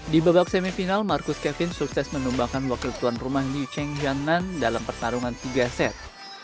di babak semifinal marcus kevin sukses menumbangkan wakil tuan rumah neu cheng hyang nan dalam pertarungan tiga set